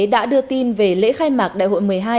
đã đưa tin về lễ khai mạc đại hội một mươi hai